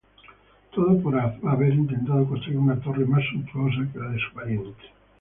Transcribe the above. Todo por haber intentado construir una torre más suntuosa que la de su pariente.